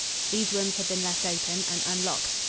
These rooms had been left open and unlocked.